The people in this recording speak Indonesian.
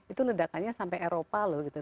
itu ledakannya sampai eropa loh gitu